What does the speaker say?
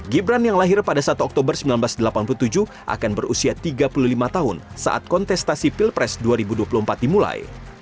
gibran yang lahir pada satu oktober seribu sembilan ratus delapan puluh tujuh akan berusia tiga puluh lima tahun saat kontestasi pilpres dua ribu dua puluh empat dimulai